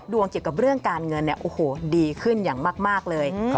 เกี่ยวกับเรื่องการเงินเนี่ยโอ้โหดีขึ้นอย่างมากเลย